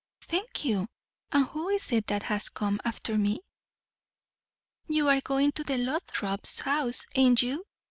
"Thank you. And who is it that has come after me?" "You are going to the Lothrops' house, ain't you?